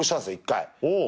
１回。